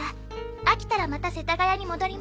飽きたらまた世田谷に戻ります。